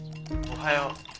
おはよう。